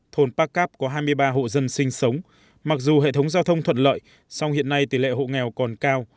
thôn pakap có hai mươi ba hộ dân sinh sống mặc dù hệ thống giao thông thuận lợi song hiện nay tỷ lệ hộ nghèo còn cao